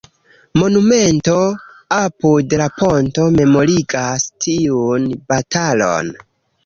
Monumento apud la ponto memorigas tiun batalon.